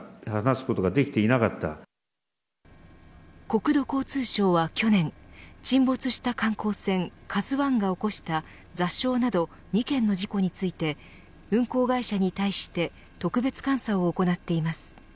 国土交通省は去年沈没した観光船ＫＡＺＵ１が起こした座礁など２件の事故について運航会社に対して特別監査を行っています。